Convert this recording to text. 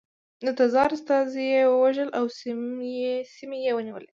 د تزار استازي یې ووژل او سیمې یې ونیولې.